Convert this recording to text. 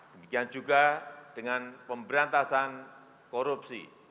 demikian juga dengan pemberantasan korupsi